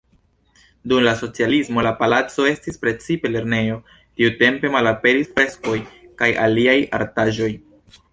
Dum la socialismo la palaco estis precipe lernejo, tiutempe malaperis freskoj kaj aliaj artaĵoj.